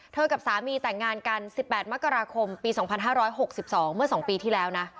กับสามีแต่งงานกัน๑๘มกราคมปี๒๕๖๒เมื่อ๒ปีที่แล้วนะ